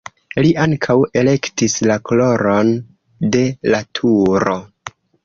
Li ankaŭ elektis la koloron de la turo.